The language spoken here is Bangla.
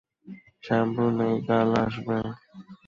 শ্যাম্পু নেই, কাল আসবে।